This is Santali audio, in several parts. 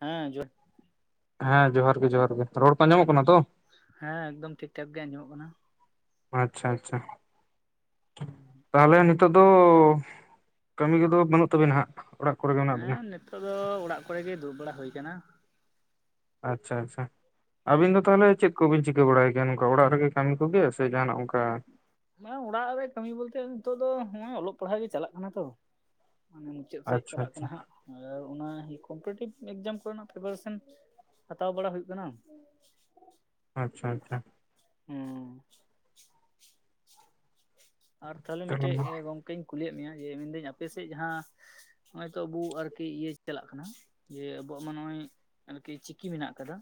ᱦᱮᱸ ᱡᱚᱦᱟ ᱦᱮᱸ ᱡᱚᱦᱟᱨ ᱜᱮ ᱡᱚᱦᱟᱨ ᱜᱮ᱾ ᱨᱚᱲ ᱠᱚ ᱟᱸᱡᱚᱢᱚᱜ ᱠᱟᱱᱟ? ᱛᱚ ᱦᱮᱸ ᱮᱠᱫᱚᱢ ᱴᱷᱤᱠ ᱴᱷᱟᱠ ᱜᱮ ᱟᱸᱡᱚᱢᱚᱜ ᱠᱟᱱᱟ᱾ ᱟᱪᱪᱷᱟ ᱟᱪᱪᱷᱟ ᱛᱟᱦᱚᱞᱮ ᱱᱤᱛᱚᱜ ᱫᱚ ᱠᱟᱹᱢᱤ ᱠᱚᱫᱚ ᱵᱟᱹᱱᱩᱜ ᱛᱟᱵᱤᱱᱟ ᱦᱟᱜ᱾ ᱦᱮᱸ ᱱᱤᱛᱚᱜ ᱫᱚ ᱚᱲᱟᱜ ᱠᱚᱨᱮ ᱜᱮ ᱫᱩᱲᱩᱵ ᱵᱟᱲᱟ ᱦᱩᱭ ᱟᱠᱟᱱᱟ᱾ ᱟᱪᱪᱷᱟ ᱟᱪᱪᱷᱟ ᱟᱵᱤᱱ ᱫᱚ ᱛᱟᱦᱚᱞᱮ ᱪᱮᱫ ᱠᱚᱵᱤᱱ ᱪᱤᱠ ᱠᱟᱹ ᱵᱟᱲᱟᱭ ᱜᱮᱭᱟ ᱱᱚᱝᱠᱟ ᱚᱲᱟᱜ ᱨᱮᱜᱮ ᱠᱟᱹᱢᱤ ᱠᱚᱜᱮ ᱥᱮ ᱡᱟᱦᱟᱱᱟᱜ ᱚᱱᱠᱟ ᱢᱟᱱᱮ ᱚᱲᱟᱜ ᱨᱮ ᱠᱟᱹᱢᱤ ᱵᱚᱞᱛᱮ ᱱᱤᱛᱚᱜ ᱫᱚ ᱱᱚᱜ-ᱚᱭ ᱚᱞᱚᱜ ᱯᱟᱲᱦᱟᱜ ᱜᱮ ᱪᱟᱞᱟᱜ ᱠᱟᱱᱟ ᱛᱚ, ᱢᱟᱱᱮ ᱢᱩᱪᱟᱹᱫ ᱥᱮᱫ ᱟᱪᱪᱷᱟ ᱪᱟᱞᱟᱜ ᱟᱪᱪᱷᱟ ᱠᱟᱱᱟ ᱦᱟᱸᱜ᱾ ᱟᱨ ᱚᱱᱟ ᱤᱭᱟᱹ ᱠᱚᱢᱯᱨᱤᱴᱤᱵᱷ ᱮᱠᱡᱟᱢ ᱠᱚᱨᱮᱱᱟᱜ ᱯᱨᱤᱯᱟᱨᱮᱥᱚᱱ ᱦᱟᱛᱟᱣ ᱵᱟᱲᱟ ᱦᱩᱭᱩᱜ ᱠᱟᱱᱟ᱾ ᱟᱪᱪᱷᱟ ᱟᱪᱪᱷᱟ᱾ ᱦᱚᱸ ᱟᱨ ᱛᱟᱦᱚᱞᱮ ᱢᱤᱫᱴᱮᱡ ᱜᱚᱢᱠᱮᱧ ᱠᱩᱞᱤᱭᱮᱫ ᱢᱮᱭᱟ ᱡᱮ ᱢᱮᱱᱫᱟᱹᱧ ᱟᱯᱮ ᱥᱮᱫ ᱡᱟᱦᱟᱸ ᱦᱚᱜᱼᱚᱭ ᱛᱚ ᱟᱵᱩ ᱟᱨᱠᱤ ᱤᱭᱟᱹ ᱪᱟᱞᱟᱜ ᱠᱟᱱᱟ ᱡᱮ ᱟᱵᱚᱣᱟᱜ ᱢᱟ ᱱᱚᱜᱼᱚᱭ ᱟᱨᱠᱤ ᱪᱤᱠᱤ ᱢᱮᱱᱟᱜ ᱠᱟᱫᱟ᱾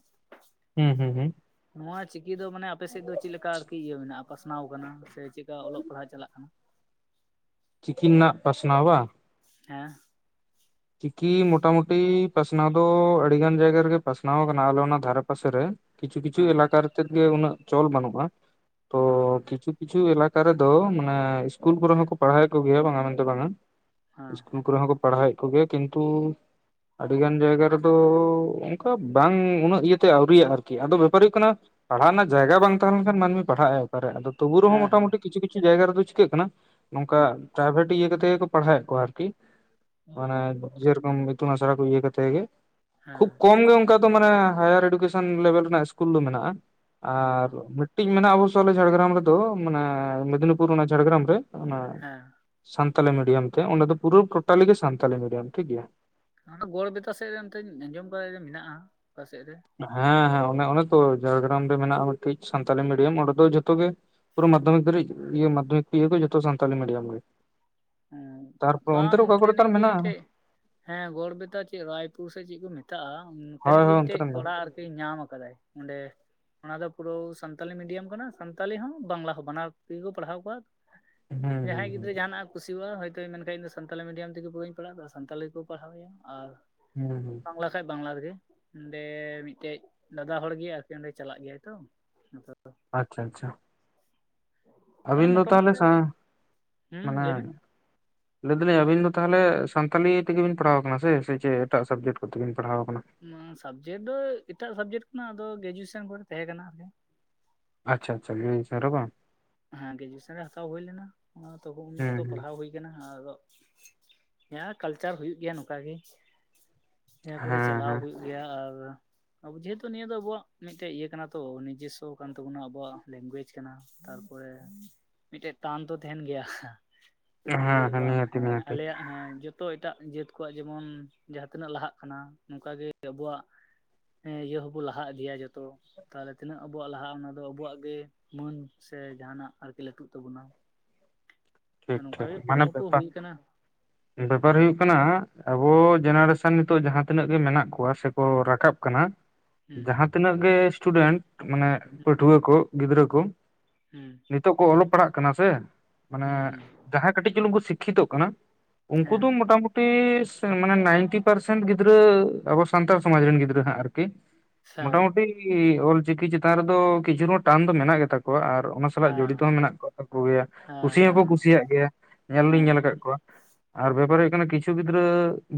ᱦᱩᱸ ᱦᱩᱸ ᱦᱩᱸ᱾ ᱱᱚᱣᱟ ᱪᱤᱠᱤ ᱫᱚ ᱢᱟᱱᱮ ᱟᱯᱮ ᱥᱮᱡ ᱫᱚ ᱪᱮᱫ ᱞᱮᱠᱟ ᱟᱨᱠᱤ ᱤᱭᱟᱹ ᱢᱮᱱᱟᱜ-ᱟ ᱯᱟᱥᱱᱟᱣ ᱠᱟᱱᱟ? ᱛᱮ ᱪᱮᱫᱠᱟ ᱚᱞᱚᱜ ᱯᱟᱲᱦᱟᱜ ᱪᱟᱞᱟᱜ ᱠᱟᱱᱟ? ᱪᱤᱠᱤ ᱨᱮᱱᱟᱜ ᱯᱟᱥᱱᱟᱣᱟ ᱵᱟᱝ? ᱦᱮᱸ᱾ ᱪᱤᱠᱤ ᱢᱚᱴᱟᱢᱩᱴᱤ ᱯᱟᱥᱱᱟᱣ ᱫᱚ ᱟᱹᱰᱤ ᱜᱟᱱ ᱡᱟᱭᱜᱟ ᱨᱮᱜᱮ ᱯᱟᱥᱱᱟᱣ ᱠᱟᱱᱟ ᱟᱞᱮ ᱚᱱᱟ ᱫᱷᱟᱨᱮ ᱯᱟᱥᱮ ᱨᱮ᱾ ᱠᱤᱪᱷᱩ ᱠᱤᱪᱷᱩ ᱦᱮᱸ ᱮᱞᱟᱠᱟ ᱨᱮᱛᱮᱫ ᱜᱮ ᱩᱱᱟᱹᱜ ᱪᱚᱞ ᱵᱟᱹᱱᱩᱜ-ᱟ᱾ ᱦᱚᱸ᱾ ᱠᱤᱪᱷᱩ ᱠᱤᱪᱷᱩ ᱮᱞᱟᱠᱟ ᱨᱮᱫᱚ ᱢᱟᱱᱮ ᱤᱥᱠᱩᱞ ᱠᱚᱨᱮ ᱦᱚᱸᱠᱚ ᱯᱟᱲᱦᱟᱣᱮᱫ ᱠᱚᱜᱮᱭᱟ ᱵᱟᱝᱟ ᱢᱮᱱᱛᱮ ᱵᱟᱝᱟ᱾ ᱤᱥᱩᱞ ᱠᱚᱨᱮ ᱦᱚᱸᱠᱚ ᱯᱟᱲᱦᱟᱣᱮᱫ ᱠᱚᱜᱮᱭᱟ ᱠᱤᱱᱛᱩ ᱟᱹᱰᱤ ᱜᱟᱱ ᱡᱟᱭᱜᱟ ᱨᱮᱫᱚ ᱚᱝᱠᱟ ᱵᱟᱝ, ᱩᱱᱟᱹᱜ ᱤᱭᱟᱹᱛᱮ ᱟᱹᱣᱨᱤᱭᱟ ᱟᱨᱠᱤ᱾ ᱟᱫᱚ ᱵᱮᱯᱟᱨ ᱦᱩᱭᱩᱜ ᱠᱟᱱᱟ ᱯᱟᱲᱦᱟᱣ ᱨᱮᱱᱟᱜ ᱡᱟᱭᱜᱟ ᱵᱟᱝ ᱛᱟᱦᱮᱸ ᱞᱮᱱᱠᱷᱟᱱ ᱢᱟᱹᱱᱢᱤ ᱯᱟᱲᱦᱟᱜ-ᱟᱭ ᱚᱠᱟ ᱨᱮ? ᱟᱫᱚ ᱛᱚᱵᱩ ᱨᱮᱦᱚᱸ ᱦᱮᱸ ᱦᱮᱸ ᱢᱚᱴᱟᱢᱩᱴᱤ ᱠᱤᱪᱷᱩ ᱠᱤᱪᱷᱩ ᱡᱟᱭᱜᱟ ᱨᱮᱫᱚ ᱪᱤᱠᱟᱹᱜ ᱠᱟᱱᱟ ᱱᱚᱝᱠᱟ ᱦᱮᱸ ᱯᱨᱟᱭᱵᱷᱮᱴ ᱤᱭᱟᱹ ᱠᱟᱛᱮ ᱜᱮᱠᱚ ᱯᱟᱲᱦᱟᱣᱮᱫ ᱠᱚᱣᱟ ᱟᱨᱠᱤ᱾ ᱚ ᱢᱟᱱᱮ ᱡᱮᱨᱚᱠᱚᱢ ᱤᱛᱩᱱ ᱟᱥᱲᱟ ᱠᱚ ᱤᱭᱟᱹ ᱠᱟᱛᱮ ᱜᱮ, ᱦᱮᱸ ᱠᱷᱩᱵᱽ ᱠᱚᱢ ᱜᱮ ᱚᱱᱠᱟ ᱫᱚ ᱢᱟᱱᱮ ᱦᱟᱭᱟᱨ ᱮᱰᱩᱠᱮᱥᱚᱱ ᱞᱮᱵᱮᱞ ᱨᱮᱱᱟᱜ ᱤᱥᱠᱩᱞ ᱫᱚ ᱢᱮᱱᱟᱜ-ᱟ ᱚ ᱟᱨ ᱢᱤᱫ ᱢᱤᱫᱴᱤᱡ ᱢᱮᱱᱟᱜ-ᱟ ᱚᱵᱚᱥᱳᱭ ᱟᱞᱮ ᱡᱷᱟᱲᱜᱨᱟᱢ ᱨᱮᱫᱚ ᱢᱟᱱᱮ ᱢᱮᱫᱽᱱᱤᱯᱩᱨ ᱚᱱᱟ ᱡᱷᱟᱲᱜᱨᱟᱢ ᱨᱮ ᱚᱱᱟ᱾ ᱦᱮᱸ ᱥᱟᱱᱛᱟᱞᱤ ᱢᱤᱰᱤᱭᱟᱢ ᱛᱮ ᱚᱸᱰᱮ ᱫᱚ ᱯᱩᱨᱟᱹ ᱴᱳᱴᱟᱞᱤ ᱜᱮ ᱥᱟᱱᱛᱟᱞᱤ ᱢᱤᱰᱤᱭᱟᱢ ᱴᱷᱤᱠ ᱜᱮᱭᱟ᱾ ᱚᱱᱟ ᱜᱚᱲ ᱵᱮᱛᱟ ᱥᱮᱡ ᱨᱮ ᱚᱱᱛᱮᱧ ᱟᱸᱡᱚᱢ ᱠᱟᱜ ᱜᱮ ᱢᱮᱱᱟᱜ-ᱟ ᱚᱠᱟ ᱥᱮᱜ ᱨᱮ? ᱦᱮᱸ ᱦᱮᱸ ᱚᱱᱮ, ᱚᱱᱮ ᱛᱚ ᱡᱷᱟᱲᱜᱨᱟᱢ ᱨᱮ ᱢᱮᱱᱟᱜ-ᱟ ᱢᱤᱫᱴᱤᱡ ᱥᱟᱱᱛᱟᱞᱤ ᱢᱤᱰᱤᱭᱟᱢ᱾ ᱚᱸᱰᱮ ᱫᱚ ᱡᱷᱚᱛᱚ ᱜᱮ ᱯᱩᱨᱟᱹ ᱢᱟᱫᱽᱫᱷᱚᱢᱤᱠ ᱫᱷᱟᱨᱤᱡ ᱤᱭᱟ. ᱢᱟᱫᱽᱫᱷᱚᱢᱤᱠ ᱤᱭᱟᱹ ᱠᱚ ᱡᱚᱛᱚ ᱥᱟᱱᱛᱟᱞᱤ ᱢᱤᱰᱤᱭᱟᱢ ᱜᱮ᱾ ᱦᱩᱸ, ᱛᱟᱨᱯᱚᱨ ᱚᱱᱛᱮ ᱵᱟᱝ ᱨᱮ ᱚᱠᱟ ᱠᱚᱨᱮ ᱛᱟᱨ ᱱᱚᱛᱮᱱᱤᱡ ᱜᱮ ᱢᱮᱱᱟᱜᱼᱟ ᱢᱤᱫᱴᱮᱡ ᱦᱮᱸ, ᱜᱚᱲᱵᱮᱛᱟ ᱪᱮᱫ ᱨᱟᱭᱯᱩᱨ ᱥᱮ ᱪᱮᱫ ᱠᱚ ᱢᱮᱛᱟᱜ-ᱟ, ᱦᱳᱭ ᱚᱱᱛᱮᱱᱤᱡ ᱜᱮ ᱦᱳᱭ ᱚᱱᱛᱮ ᱢᱤᱫᱴᱮᱡ ᱨᱮ ᱢᱮᱱᱟᱜᱼᱟ ᱠᱚᱲᱟ ᱟᱨ ᱠᱤ ᱧᱟᱢ ᱠᱟᱫᱟᱭ ᱚᱸᱰᱮ᱾ ᱚᱱᱟ ᱫᱚ ᱯᱩᱨᱟᱹ ᱥᱟᱱᱛᱟᱞᱤ ᱢᱤᱰᱤᱭᱟᱢ ᱠᱟᱱᱟ ᱥᱟᱱᱛᱟᱞᱤ ᱦᱚᱸ, ᱵᱟᱝᱞᱟ ᱦᱚᱸ ᱵᱟᱱᱟᱨ ᱛᱮᱜᱮ ᱠᱚ ᱯᱟᱲᱦᱟᱣ ᱠᱚᱣᱟ᱾ ᱦᱩᱸ ᱦᱩᱸ ᱡᱟᱦᱟᱸᱭ ᱦᱩᱸ ᱜᱤᱫᱽᱨᱟᱹ ᱡᱟᱦᱟᱱᱟᱜ ᱠᱩᱥᱤᱣᱟᱜ-ᱟ ᱦᱚᱭᱛᱳᱭ ᱢᱮᱱᱠᱷᱟᱱ ᱤᱧ ᱫᱚ ᱥᱟᱱᱛᱟᱞᱤ ᱢᱤᱰᱤᱭᱟᱢ ᱛᱮᱜᱮ ᱵᱳᱭᱤᱧ ᱯᱟᱲᱦᱟᱜ-ᱟ, ᱟᱨ ᱥᱟᱱᱛᱟᱞᱤ ᱜᱮᱠᱚ ᱯᱟᱲᱦᱟᱣᱮᱭᱟ ᱟᱨ ᱦᱩᱸ᱾ ᱵᱟᱠᱷᱟᱡ ᱵᱟᱝᱞᱟ ᱨᱮᱜᱮ᱾ ᱚᱸᱰᱮᱻ ᱢᱤᱫᱴᱮᱡ ᱫᱟᱫᱟ ᱦᱚᱲ ᱜᱮ ᱟᱨᱠᱤ ᱚᱸᱰᱮ ᱪᱟᱞᱟᱜ ᱜᱮᱭᱟᱭ ᱛᱚ᱾ [unintelligible] ᱟᱪᱪᱷᱟ ᱟᱪᱪᱷᱟ᱾ ᱛᱟᱦᱚᱞᱮ ᱟᱹᱵᱤᱱ ᱫᱚ ᱛᱟᱦᱞᱮ ᱢᱚᱴᱟᱢᱩᱴᱤ ᱟᱨ ᱥᱟᱶ ᱦᱩᱸ ᱢᱟᱱᱮ ᱞᱟᱹᱭ ᱢᱮ ᱞᱟᱹᱭ ᱫᱟᱞᱤᱧ ᱟᱵᱤᱱ ᱫᱚ ᱛᱟᱦᱞᱮ ᱥᱟᱱᱛᱟᱞᱤ ᱛᱮᱜᱮᱵᱤᱱ ᱯᱟᱲᱦᱟᱣ ᱠᱟᱱᱟ ᱥᱮ, ᱥᱮ ᱪᱮᱫ ᱮᱴᱟᱜ ᱥᱟᱵᱡᱮᱠᱴ ᱠᱚᱛᱮᱵᱤᱱ ᱯᱟᱲᱦᱟᱣ ᱠᱟᱱᱟ? ᱩᱸᱻ ᱥᱟᱵᱡᱮᱠᱴ ᱫᱚ ᱮᱴᱟᱜ ᱥᱟᱵᱡᱮᱠᱴ ᱠᱟᱱᱟ ᱟᱫᱚ ᱜᱮᱡᱩᱭᱮᱥᱚᱱ ᱠᱚᱨᱮ ᱛᱟᱦᱮᱸ ᱠᱟᱱᱟ ᱟᱨᱠᱤ᱾ ᱟᱪᱪᱷᱟ ᱟᱪᱪᱷᱟ ᱞᱟᱹᱭ [unintelligible] ᱵᱟᱝ᱾ ᱦᱮᱸ ᱜᱨᱮᱡᱩᱭᱮᱥᱚᱱ ᱨᱮ ᱦᱟᱛᱟᱣ ᱦᱩᱭ ᱞᱮᱱᱟ, ᱚᱱᱟ ᱚᱠᱛᱚ, ᱩᱱ ᱦᱩᱸ ᱚᱠᱛᱚ ᱦᱩᱸ ᱯᱟᱲᱦᱟᱣ ᱦᱩᱭ ᱠᱟᱱᱟ ᱟᱫᱚ ᱦᱮᱸ ᱠᱟᱞᱪᱟᱨ ᱦᱩᱭᱩᱜ ᱜᱮᱭᱟ ᱱᱚᱝᱠᱟ ᱜᱮ, ᱱᱤᱭᱟᱹ ᱠᱚᱨᱮ ᱦᱮᱸ ᱪᱟᱞᱟᱣ ᱦᱮᱸ ᱦᱩᱭᱩᱜ ᱜᱮᱭᱟ᱾ ᱟᱨ ᱟᱵᱚ ᱡᱮᱦᱮᱛᱩ ᱱᱤᱭᱟᱹ ᱫᱚ ᱟᱵᱚᱣᱟᱜ ᱢᱤᱫᱴᱮᱡ ᱤᱭᱟᱹ ᱠᱟᱱᱟ ᱛᱚ ᱱᱤᱡᱮᱥᱥᱚ ᱠᱟᱱ ᱛᱟᱵᱚᱱᱟ ᱟᱵᱚᱣᱟᱜ ᱞᱮᱝᱜᱩᱭᱮᱡ ᱠᱟᱱᱟ᱾ ᱛᱟᱨᱯᱚᱨᱮ ᱢᱤᱫᱴᱮᱡ ᱴᱟᱱ ᱛᱚ ᱛᱟᱦᱮᱱ ᱜᱮᱭᱟ᱾ ᱡᱮ ᱦᱮᱸ ᱵᱟᱝ ᱱᱤᱦᱟᱹᱛᱤ ᱦᱮᱸ ᱱᱤᱦᱟᱹᱛᱤ ᱟᱞᱮᱭᱟᱜ ᱦᱮᱸ ᱡᱚᱛ ᱛᱚ ᱮᱴᱟᱜ ᱡᱟᱹᱛ ᱠᱚᱣᱟᱜ ᱡᱮᱢᱚᱱ ᱡᱟᱦᱟᱸᱛᱤᱱᱟᱹᱜ ᱞᱟᱦᱟᱜ ᱠᱟᱱᱟ ᱚᱝᱠᱟᱜᱮ ᱟᱵᱚᱣᱟᱜ ᱦᱮᱸ ᱤᱭᱟᱹ ᱦᱚᱸᱵᱚ ᱞᱟᱦᱟ ᱤᱫᱤᱭᱟ ᱡᱚᱛᱚ᱾ ᱛᱟᱦᱞᱮ ᱛᱤᱱᱟᱹᱜ ᱟᱵᱚᱣᱟᱜ ᱞᱟᱦᱟᱜ-ᱟ, ᱚᱱᱟ ᱫᱚ ᱟᱵᱚᱣᱟᱜ ᱜᱮ ᱢᱟᱹᱱ ᱥᱮ ᱡᱟᱦᱟᱱᱟᱜ ᱟᱨᱠᱤ ᱞᱟᱹᱴᱩᱜ ᱛᱟᱵᱚᱱᱟ᱾ ᱴᱷᱤᱠ ᱱᱚᱝᱠᱟ ᱴᱷᱤᱠ ᱜᱮ ᱢᱟᱱᱮ ᱠᱩᱨᱩᱢᱩᱴᱩ ᱵᱮᱯᱟᱨ, ᱦᱩᱭ ᱠᱟᱱᱟ ᱵᱮᱯᱟᱨ ᱦᱮᱸ ᱦᱩᱭᱩᱜ ᱠᱟᱱᱟ ᱟᱵᱚ ᱡᱮᱱᱟᱨᱮᱥᱚᱱ ᱱᱤᱛᱚᱜ ᱡᱟᱦᱟᱸ ᱛᱤᱱᱟᱹᱜ ᱜᱮ ᱢᱮᱱᱟᱜ ᱠᱚᱣᱟ ᱥᱮᱠᱚ ᱨᱟᱠᱟᱵ ᱠᱟᱱᱟ ᱦᱩᱸ ᱡᱟᱦᱟᱸ ᱾ ᱛᱤᱱᱟᱹᱜ ᱜᱮ ᱥᱴᱩᱰᱮᱱᱴ ᱢᱟᱱᱮ ᱯᱟᱹᱴᱷᱩᱣᱟᱹ ᱠᱚ ᱜᱤᱫᱽᱨᱟᱹ ᱠᱚ ᱾ ᱦᱩᱸ ᱾ ᱱᱤᱛᱚᱜ ᱠᱚ ᱚᱞᱚᱜ ᱯᱟᱲᱦᱟᱜ ᱠᱟᱱᱟ ᱥᱮ ᱢᱟᱱᱮ? ᱦᱩᱸ ᱡᱟᱦᱟᱸᱭ ᱠᱟᱹᱴᱤᱡ ᱪᱩᱞᱩᱝᱠᱩ ᱥᱤᱠᱠᱷᱤᱛᱚᱜ ᱠᱟᱱᱟ ᱩᱱᱠᱩ ᱫᱚ ᱦᱮᱸ ᱢᱚᱴ ᱢᱩᱩᱴᱤ, ᱢᱟᱱᱮ ᱱᱟᱭᱤᱱᱴᱤ ᱯᱟᱨᱥᱮᱱ ᱜᱤᱫᱽᱨᱟᱹ ᱟᱵᱚ ᱥᱟᱱᱛᱟᱲ ᱥᱚᱢᱟᱡᱽ ᱨᱮᱱ ᱜᱤᱫᱽᱨᱟᱹ ᱦᱟᱸᱜ ᱟᱨᱠᱤ ᱾ ᱦᱮᱸ ᱢᱚᱴᱟᱢᱩᱴᱤ ᱚᱞᱪᱤᱠᱤ ᱪᱮᱛᱟᱱ ᱨᱮᱫᱚ ᱠᱤᱪᱷᱩ ᱨᱮᱦᱚᱸ ᱴᱟᱱ ᱫᱚ ᱢᱮᱱᱟᱜ ᱜᱮᱛᱟ ᱠᱚᱣᱟ ᱟᱨ᱾ ᱚᱱᱟ ᱥᱟᱞᱟᱜ ᱦᱮᱸ ᱡᱚᱲᱤᱛ ᱦᱚᱸ ᱢᱮᱱᱟᱜ ᱠᱚ ᱠᱚ ᱜᱮᱭᱟ ᱦᱮᱸ ᱠᱩᱥᱤ ᱦᱚᱸᱠᱚ ᱦᱮᱸ ᱠᱩᱥᱤᱭᱟᱜ ᱜᱮᱭᱟ ᱧᱮᱞ ᱦᱚᱞᱤᱧ ᱦᱮᱸ ᱧᱮᱞ ᱟᱠᱟᱫ ᱠᱚᱣᱟ ᱾ ᱟᱨ ᱵᱮᱯᱟᱨ ᱦᱩᱭᱩᱜ ᱠᱟᱱᱟ ᱠᱤᱪᱷᱩ ᱜᱤᱫᱽᱨᱟᱹ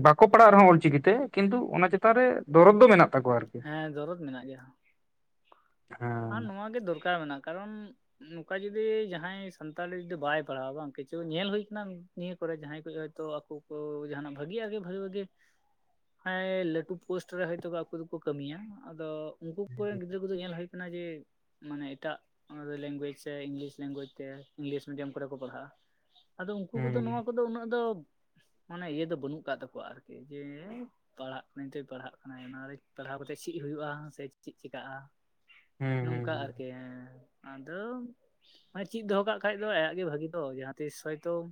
ᱵᱟᱠᱚ ᱯᱟᱲᱟᱜ ᱨᱮᱦᱚᱸ ᱚᱞ ᱪᱤᱠᱤᱛᱮ ᱠᱤᱱᱛᱩ ᱚᱱᱟ ᱪᱮᱛᱟᱱ ᱨᱮ ᱫᱚᱨᱚᱫ ᱫᱚ ᱢᱮᱱᱟᱜ-ᱟ᱾ ᱛᱟᱠᱚ ᱟᱨᱠᱤ ᱦᱮᱸ ᱫᱚᱨᱚᱫ ᱦᱮᱸ ᱾ ᱠᱷᱟᱱ ᱱᱚᱣᱟ ᱜᱮ ᱫᱚᱨᱠᱟᱨ ᱢᱮᱱᱟᱜᱼᱟ ᱠᱟᱨᱚᱱ ᱾ ᱱᱚᱝᱠᱟ ᱡᱩᱚᱫᱤ ᱡᱟᱦᱟᱸᱭ ᱥᱟᱱᱛᱟᱞᱤ ᱡᱩᱫᱤ ᱵᱟᱭ ᱯᱟᱲᱦᱟᱣᱟ ᱵᱟᱝ ᱠᱤᱪᱷᱩ ᱧᱮᱞ ᱦᱩᱭ ᱟᱠᱟᱱᱟᱟᱱᱟ ᱾ ᱱᱤᱭᱟᱹ ᱠᱚᱨᱮ ᱡᱟᱦᱟᱸᱭ ᱠᱚ ᱦᱚᱭᱛᱚ ᱟᱠᱚ ᱡᱟᱦᱱᱟᱜ ᱵᱷᱟᱜᱮᱟᱜ ᱜᱮ ᱵᱷᱟᱜᱤ ᱵᱷᱟᱜᱤ ᱾ ᱦᱮᱸ ᱞᱟᱹᱴᱩ ᱯᱳᱥᱴ ᱨᱮ ᱦᱚᱭᱛᱳ ᱟᱠᱚ ᱫᱚᱠᱚ ᱠᱟᱹᱢᱤᱭᱟ ᱟᱫᱚ ᱩᱱᱠᱩ ᱠᱚᱨᱮᱱ ᱜᱤᱫᱽᱨᱟᱹ ᱠᱚᱫᱚ ᱧᱮᱞ ᱦᱩᱭᱩᱜ, ᱠᱟᱱᱟ ᱡᱮ᱾ ᱢᱟᱱᱮ ᱮᱴᱟᱜ ᱞᱮᱝᱜᱩᱭᱮᱡᱽ ᱥᱮ ᱤᱝᱞᱤᱥ ᱞᱮᱝᱜᱩᱭᱮᱡᱽ ᱛᱮ ᱤᱝᱞᱤᱥ ᱢᱤᱰᱤᱭᱟᱢ ᱠᱚᱨᱮ ᱠᱚ ᱯᱟᱲᱦᱟᱜᱼᱟ᱾ ᱟᱫᱚ ᱩᱱᱠᱩ ᱠᱚᱫᱚ ᱱᱚᱣᱟ ᱦᱩᱸ ᱠᱚᱫᱚ ᱩᱱᱟᱹᱜ ᱫᱚ ᱢᱟᱱᱮ ᱤᱭᱟᱹ ᱵᱟᱹᱱᱩᱜ ᱟᱠᱟᱜ ᱛᱟᱠᱚᱣᱟ ᱟᱨᱠᱤ ᱡᱮ᱾ ᱯᱟᱲᱦᱟᱜ ᱢᱮᱱᱛᱮ ᱯᱟᱲᱦᱟᱜ ᱠᱟᱱᱟᱭ ᱚᱱᱟ ᱨᱮ ᱯᱟᱲᱦᱟᱣ ᱠᱟᱛᱮᱫ ᱪᱮᱫ ᱦᱩᱭᱩᱜᱼᱟ ᱥᱮ ᱪᱮᱫ ᱪᱮᱠᱟᱜᱼᱟ᱾ ᱾ ᱦᱩᱸ ᱱᱚᱝᱠᱟ ᱦᱩᱸ ᱟᱨᱠᱤ ᱦᱮᱸ ᱾ ᱟᱫᱚ ᱪᱮᱫ ᱫᱚᱦᱚ ᱠᱟᱜ ᱠᱷᱟᱡ ᱫᱚ ᱟᱭᱟᱜ ᱜᱮ ᱵᱷᱟᱜᱤ ᱛᱚ ᱡᱟᱦᱟᱸ ᱛᱤᱥ ᱦᱚᱭᱛᱚ ᱾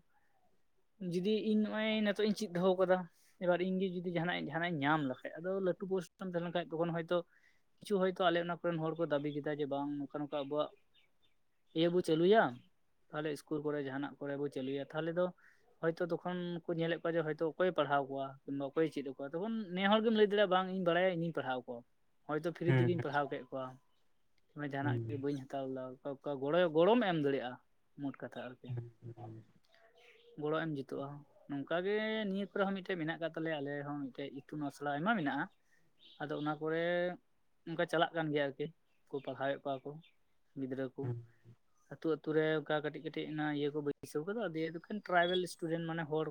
ᱡᱩᱫᱤ ᱤᱧ ᱱᱚᱜᱼᱚᱭ ᱱᱤᱛᱚᱜ ᱤᱧ ᱪᱮᱫ ᱫᱚᱦᱚ ᱟᱠᱟᱫᱟ ᱾ ᱮᱵᱟᱨ ᱤᱧ ᱜᱮ ᱡᱩᱫᱤ ᱡᱟᱦᱟᱱᱟᱜ ᱡᱟᱦᱟᱱᱟᱜ ᱤᱧ ᱧᱟᱢ ᱞᱮᱠᱷᱟᱡ ᱟᱫᱚ ᱞᱟᱹᱴᱩ ᱯᱚᱨᱤᱥᱴᱟᱢ ᱛᱟᱦᱮᱸ ᱞᱮᱱ ᱠᱷᱟᱱ ᱛᱠᱷᱚᱱ ᱦᱳᱭᱛᱳ, ᱠᱤᱪᱷᱩ ᱦᱚᱭᱛᱳ ᱟᱞᱮ ᱚᱱᱟ ᱠᱚᱨᱮᱱ ᱦᱚᱲ ᱠᱚ ᱫᱟᱹᱵᱤ ᱠᱮᱫᱟ ᱡᱮ ᱵᱟᱝ ᱱᱚᱝᱠᱟ ᱟᱵᱚᱣᱟᱜ, ᱤᱭᱟᱹ ᱵᱚ ᱪᱟᱹᱞᱩᱭᱟ ᱛᱟᱦᱞᱮ ᱤᱥᱠᱩᱞ ᱠᱚᱨᱮ ᱡᱟᱦᱟᱱᱟᱜ ᱠᱚᱨᱮ ᱵᱚ ᱪᱟᱹᱞᱩᱭᱟ ᱛᱟᱦᱞᱮ ᱫᱚ᱾ ᱦᱚᱭᱛᱚ ᱛᱚᱠᱷᱚᱱ ᱠᱚ ᱧᱮᱞᱮᱫ ᱠᱚᱣᱟ ᱡᱮ ᱦᱚᱭ ᱛᱚ ᱚᱠᱚᱭ ᱯᱟᱲᱦᱟᱣ ᱠᱚᱣᱟ ᱠᱤᱝᱵᱟ ᱚᱠᱚᱭᱮ ᱪᱮᱫ ᱟᱠᱚᱣᱟ ᱛᱚᱠᱷᱚᱱ ᱾ ᱱᱮ ᱦᱚᱲ ᱜᱮᱢ ᱞᱟᱹᱭ ᱫᱟᱲᱮᱭᱟᱜᱼᱟ ᱵᱟᱝ ᱤᱧ ᱵᱟᱲᱟᱭᱟ ᱤᱧ ᱯᱟᱲᱦᱟᱣ ᱠᱚᱣᱟ ᱾ ᱦᱚᱳᱭᱛᱳ ᱯᱷᱨᱤ ᱦᱩᱸ ᱛᱮᱜᱮᱧ ᱯᱟᱲᱦᱟᱣ ᱠᱮᱫ ᱠᱚᱣᱟ ᱡᱟᱦᱟᱱᱟᱜ ᱦᱩᱸ ᱜᱮ ᱵᱟᱹᱧ ᱦᱟᱛᱟᱣ ᱞᱮᱫᱟ᱾ ᱚᱱᱠᱟ ᱜᱚᱲᱚ ᱜᱚᱲᱚᱢ ᱮᱢ ᱫᱟᱲᱮᱭᱟᱜᱼᱟ ᱢᱳᱴ ᱠᱟᱛᱷᱟ ᱟᱨᱠᱤ ᱾ ᱜᱚᱲᱚ ᱮᱢ ᱡᱩᱛᱩᱜᱼᱟ᱾ ᱱᱚᱝᱠᱟᱟ ᱜᱮ ᱱᱤᱭᱟᱹ ᱠᱚᱨᱮ ᱦᱚᱸ ᱢᱤᱫᱴᱮᱡ ᱢᱮᱱᱟᱜ ᱟᱠᱟᱫ ᱟᱞᱮᱦᱚᱸ ᱢᱤᱫᱴᱮᱡ ᱟᱥᱲᱟ ᱟᱭᱢᱟ ᱢᱮᱱᱟᱜᱼᱟ᱾ ᱟᱫᱚ ᱚᱱᱟ ᱠᱚᱨᱮ ᱚᱱᱠᱟ ᱪᱟᱞᱟᱜ᱾ ᱪᱟᱞᱟᱜ ᱠᱟᱱ ᱜᱮᱭᱟ ᱟᱨᱠᱤ ᱯᱟᱲᱦᱟᱣᱮᱫ ᱠᱚᱣᱟ ᱠᱚ ᱜᱤᱫᱽᱨᱟᱹ ᱠᱚ᱾ ᱦᱩᱸ ᱟᱹᱛᱩ ᱟᱹᱛᱩ ᱨᱮ ᱚᱱᱠᱟ ᱠᱟᱹᱴᱤᱡ ᱠᱟᱹᱴᱤᱡ ᱤᱭᱟᱹ ᱠᱚ ᱵᱟᱹᱭᱥᱟᱹᱣ ᱠᱟᱫᱟ ᱫᱠᱷᱟᱱ ᱴᱨᱟᱭᱵᱮᱞ ᱥᱤᱥᱴᱩᱰᱮᱱᱴ ᱢᱟᱱᱮ ᱦᱚᱲ᱾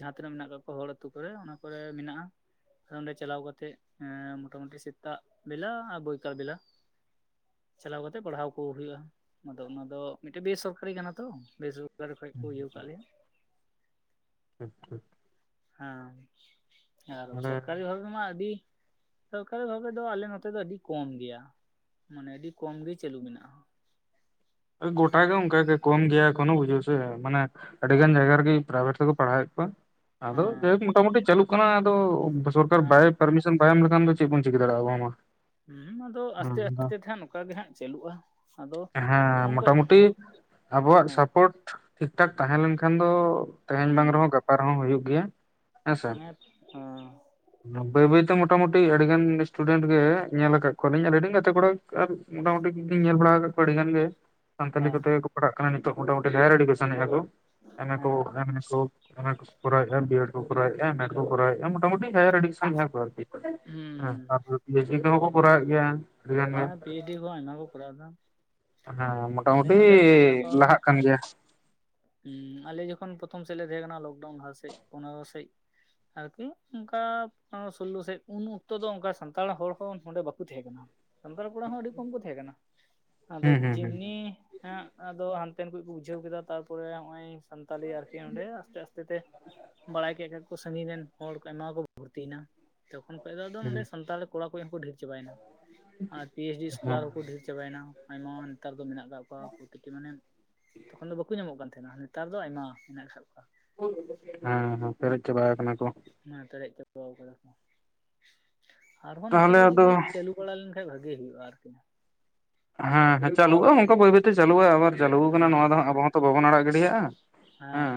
ᱡᱟᱦᱟᱸ ᱛᱤᱱᱟᱹ ᱢᱮᱱᱟᱜ ᱠᱟᱜ ᱠᱚᱣᱟ ᱦᱚᱲ ᱟ ᱟᱹᱛᱩᱳ ᱠᱚᱨᱮ ᱚᱱᱟ ᱠᱚᱨᱮ ᱢᱮᱱᱟᱜᱼᱟ᱾ ᱚᱸᱰᱮ ᱪᱟᱞᱟᱣ ᱠᱟᱛᱮᱜ ᱢᱚᱴᱟ ᱢᱩᱩᱴᱤ ᱥᱮᱛᱟᱜ ᱵᱮᱞᱟ ᱵᱳᱭ᱾ ᱥᱚᱨᱠᱟᱨ ᱵᱮᱞᱟ ᱪᱟᱞᱟᱣ ᱠᱟᱛᱮ ᱯᱟᱲᱦᱟᱣ ᱠᱚ ᱦᱩᱭᱩᱜᱼᱟ ᱟᱫᱚ ᱚᱱᱟ ᱫᱚ ᱢᱤᱫᱴᱮᱱ ᱵᱮᱥᱚᱨᱠᱟᱨᱤ ᱠᱟᱱᱟ᱾ ᱛᱚ ᱵᱮᱥᱚᱨᱠᱟᱨ ᱠᱷᱚᱡ ᱠᱚ ᱤᱭᱟᱹ ᱟᱠᱟᱫ ᱞᱮᱭᱟ᱾ ᱟᱪᱪᱷᱟ, ᱦᱮᱸ ᱟᱨ ᱢᱟᱱᱮ ᱥᱚᱨᱠᱟᱨᱤ ᱵᱷᱟᱵᱮ ᱨᱮᱢᱟ ᱟᱹᱰᱤ, ᱥᱚᱨᱠᱟᱨᱤ ᱵᱷᱟᱵᱮ ᱫᱚ ᱟᱞᱮ ᱱᱚᱛᱮ ᱫᱚ ᱟᱹᱰᱤ ᱠᱚᱢ ᱜᱮᱭᱟ ᱢᱟᱱᱮ ᱟᱹᱰᱤ ᱠᱚᱢ ᱜᱮ ᱪᱟᱹᱞᱩ ᱢᱮᱱᱟᱜᱼᱟ᱾ ᱜᱚᱴᱟ ᱜᱮ ᱚᱱᱠᱟᱜ ᱠᱚᱢ ᱜᱮᱭᱟ ᱮ ᱠᱚᱱᱚ ᱵᱩᱡᱷᱟᱹᱣ ᱥᱮ ᱢᱟᱱᱮ, ᱟᱹᱰᱤ ᱜᱟᱱ ᱡᱟᱭᱜᱟ ᱨᱮᱜᱮ ᱯᱨᱟᱭᱵᱷᱮᱴ ᱛᱮᱠᱚ ᱯᱟᱲᱦᱟᱣᱮᱫ ᱠᱚᱣᱟ, ᱟᱫᱚ ᱦᱮᱸ ᱡᱟᱭᱦᱳᱠ ᱢᱚᱴᱟᱢᱩᱴᱤ ᱪᱟᱹᱞᱩᱜ ᱠᱟᱱᱟ ᱟᱫᱚ ᱥᱚᱨᱠᱟᱨ ᱵᱟᱭ ᱦᱮᱸ ᱯᱟᱨᱢᱤᱥ, ᱵᱟᱭ ᱮᱢ ᱞᱮᱠᱷᱟᱱ ᱫᱚ ᱪᱮᱫ ᱵᱚᱱ ᱪᱤᱠᱟᱹ ᱫᱟᱲᱮᱭᱟᱜᱼᱟᱵ ᱢᱟ, ᱦᱮᱸ ᱟᱫᱚ ᱟᱥᱛᱮ ᱟᱥᱛᱮ ᱛᱮᱦᱜ ᱱᱚᱝᱠᱟᱟᱜ ᱜᱮ ᱦᱜ ᱪᱟᱹᱞᱩᱜᱼᱟ ᱟᱫᱚ, ᱦᱮᱸ ᱱᱚᱝᱠᱟ ᱢᱚᱴᱟ ᱢᱩᱴᱤ ᱟᱵᱚᱣᱟᱜ ᱦᱮᱸ ᱥᱟᱯᱳᱴ ᱴᱷᱤᱠ ᱴᱷᱟᱠ ᱛᱟᱦᱮᱸ ᱞᱮᱱᱠᱷᱟᱱ ᱫᱚ ᱛᱮᱦᱮᱧ ᱵᱟᱝ ᱦᱩᱸ ᱨᱮᱦᱚᱸ ᱜᱟᱯᱟ ᱨᱮᱦᱚᱸ ᱦᱩᱭᱩᱜ ᱜᱮᱭᱟ᱾ ᱦᱮᱸᱥᱮ [inaudible] ᱵᱟᱹᱭ ᱵᱟᱹᱭ ᱛᱮ ᱢᱚᱴᱟᱢᱩᱴᱤ ᱟᱹᱰᱤ ᱜᱟᱱ ᱥᱴᱩᱰᱮᱱᱴ ᱜᱮ ᱧᱮᱞ ᱟᱠᱟᱫ ᱠᱚᱞᱤᱧ ᱟᱞᱤᱧ ᱜᱟᱛᱮ ᱠᱚᱲᱟ ᱟᱨ ᱢᱚᱴᱟᱢᱩᱴᱤᱧ ᱧᱮᱞ ᱵᱟᱲᱟ ᱟᱠᱟᱫ ᱠᱚᱣᱟ ᱟᱹᱰᱤ ᱜᱟᱱ ᱜᱮ ᱥᱟᱱᱛᱟᱞᱤ ᱦᱮᱸ ᱠᱚᱛᱮ ᱯᱟᱲᱦᱟᱜ ᱠᱟᱱᱟ ᱱᱤᱛᱚᱜ ᱢᱚᱴᱟᱢᱩᱴᱤ ᱦᱟᱭᱟᱨ ᱮᱰᱩᱠᱮᱥᱚᱱ ᱮᱫᱟ ᱠᱚ ᱮᱱᱮ ᱦᱮᱸ ᱠᱚ ᱮᱢᱮ ᱠᱚ ᱠᱚᱨᱟᱣᱮᱜ-ᱟ ᱵᱤ ᱮᱰ ᱠᱚ ᱠᱚᱨᱟᱣᱮᱜ-ᱟ, ᱢᱚᱴᱟᱢᱴᱤ ᱦᱟᱭᱟᱨ ᱮᱰᱩᱠᱮᱥᱚᱱ ᱠᱚ ᱟᱨᱠᱤ ᱦᱮᱸ ᱦᱩᱸ ᱛᱟᱨᱯᱚᱨᱮ ᱯᱤᱭᱮᱪᱰᱤ ᱠᱚᱦᱚᱸ ᱠᱚ ᱠᱚᱨᱟᱣᱮᱫ ᱜᱮᱭᱟ᱾ ᱟᱹᱰᱤ ᱜᱟᱱ ᱜᱮ ᱦᱮᱸ ᱯᱤᱭᱤᱪ ᱰᱤ ᱠᱚ ᱟᱭᱢᱟ ᱠᱚ ᱠᱚᱨᱟᱣ ᱮᱫᱟ᱾ ᱦᱮᱸ ᱢᱚᱴᱟ ᱟᱞᱮ ᱢᱩᱴᱤ ᱱᱚᱰᱮ ᱦᱚᱸ ᱢᱮᱱᱟᱜ ᱞᱟᱦᱟᱜ ᱠᱟᱱ ᱜᱮᱭᱟ᱾ ᱦᱮᱸ ᱟᱞᱮ ᱡᱚᱠᱷᱚᱱ ᱯᱨᱚᱛᱷᱚᱢ ᱥᱮᱫ ᱞᱮ ᱛᱟᱦᱮᱸ ᱠᱟᱱᱟ ᱞᱚᱠᱰᱟᱣᱩᱱ ᱞᱟᱦᱟ ᱥᱮᱡ ᱯᱚᱱᱮᱨᱚ ᱥᱮᱡ ᱟᱨᱠᱤ ᱚᱱᱠᱟ ᱥᱳᱞᱞᱳ ᱥᱮᱫ ᱩᱱ ᱚᱠᱛᱚ ᱫᱚ ᱚᱱᱠᱟ ᱥᱟᱱᱛᱟᱲ ᱦᱚᱲ ᱦᱚᱸ ᱱᱚᱰᱮ ᱵᱟᱠᱚ ᱛᱟᱦᱮᱸ ᱠᱟᱱᱟ᱾ ᱥᱟᱱᱛᱟᱲ ᱠᱚᱲᱟ ᱦᱚᱸ ᱟᱹᱰᱤ ᱠᱚᱢ ᱠᱚ ᱛᱟᱦᱮᱸ ᱠᱟᱱᱟ ᱟᱫᱚ ᱦᱩᱸ ᱦᱩᱸ ᱦᱩᱸ ᱡᱮᱢᱱᱤ ᱦᱮᱸ ᱟᱫᱚ ᱦᱟᱱᱛᱮᱱ ᱠᱷᱚᱡ ᱠᱚ ᱵᱩᱡᱷᱟᱹᱣ ᱠᱮᱫᱟ ᱛᱟᱨᱯᱚᱨᱮ ᱱᱚᱜᱚᱭ ᱥᱛᱟᱞᱤ ᱟᱨᱠᱤ ᱚᱸᱰᱮ ᱟᱥᱛᱮ ᱟᱥᱛᱮ ᱛᱮ ᱵᱟᱲᱟᱭ ᱠᱮᱫ ᱠᱷᱟᱡ ᱠᱩ ᱥᱟᱺᱜᱤᱧ ᱨᱮᱱ ᱦᱚᱲ ᱠᱚ ᱟᱭᱢᱟ ᱠᱚ ᱵᱷᱚᱨᱛᱤᱭᱮᱱᱟ ᱛᱚᱠᱷᱚᱱ ᱠᱷᱚᱱ ᱫᱚ ᱟᱫᱚ ᱦᱩᱸ ᱱᱚᱰᱮ ᱥᱟᱱᱛᱟᱲ ᱠᱚᱲᱟ ᱠᱚ ᱦᱚᱸ ᱰᱷᱮᱨ ᱪᱟᱵᱟᱭᱮᱱᱟ᱾ ᱟᱨ ᱯᱤ ᱮᱭᱤᱪ ᱰᱤ ᱦᱮᱸ ᱦᱮᱸ ᱥᱠᱚᱞᱟᱨ ᱦᱚᱸᱠᱩ ᱰᱷᱮᱨ ᱪᱟᱵᱟᱭᱮᱱᱟ ᱟᱭᱢᱟ ᱱᱮᱛᱟᱨ ᱫᱚ ᱢᱮᱱᱟᱜ ᱟᱠᱟᱫ ᱠᱚᱣᱟ ᱯᱨᱚᱛᱤᱴᱤ ᱢᱟᱱᱮ ᱛᱚᱠᱷᱚᱱ ᱫᱚ ᱵᱟᱠᱚ ᱧᱟᱢᱚᱜ ᱠᱟᱱ ᱛᱟᱦᱮᱸᱱᱟ ᱱᱮᱛᱟᱨ ᱫᱚ ᱟᱭᱢᱟ ᱢᱮᱱᱟᱜ ᱟᱠᱟᱫ ᱠᱚᱣᱟ᱾ ᱦᱮᱸ ᱦᱮᱸ ᱯᱮᱨᱮᱡ ᱪᱟᱵᱟᱣ ᱠᱟᱱᱟ ᱠᱚ᱾ ᱦᱮ ᱯᱮᱨᱮᱡ ᱪᱟᱵᱟᱣ ᱠᱟᱫᱟ ᱠᱚ ᱟᱨᱦᱚᱸ ᱱᱚᱝᱠᱟ ᱛᱟᱦᱚᱞᱮ ᱜᱮ ᱟᱫᱚ ᱡᱩᱫᱤ ᱪᱟᱞᱩ ᱵᱟᱲᱟ ᱞᱮᱱᱠᱷᱟᱡ ᱵᱷᱟᱜᱤ ᱦᱩᱭᱩᱜᱼᱟ ᱟᱨᱠᱤ᱾ ᱦᱮᱸ ᱦᱮᱸ ᱪᱟᱞᱩᱜ-ᱟ ᱚᱱᱠᱟ ᱵᱟᱹᱭ ᱵᱟᱹᱭ ᱛᱮ ᱪᱟᱞᱩᱜᱼᱟ ᱟᱵᱟᱨ ᱪᱟᱹᱞᱩ ᱠᱟᱱᱟ ᱦᱮᱸ ᱱᱚᱣᱟ ᱫᱚ ᱦᱟᱸᱜ ᱟᱵᱚ ᱦᱚᱸᱛᱚ ᱵᱟᱵᱚᱱ ᱟᱲᱟᱜ ᱜᱤᱰᱤᱭᱟᱜᱼᱟ ᱦᱮᱸ